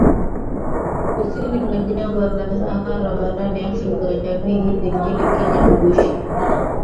Kusini mwa Jangwa la Sahara barani Afrika Jamii hizi nchini Kenya huishi